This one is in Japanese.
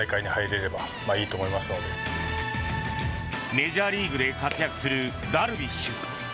メジャーリーグで活躍するダルビッシュ。